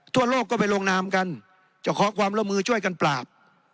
ทั่วโลกก็ไปลงนามกันจะขอความร่วมมือช่วยกันปราบ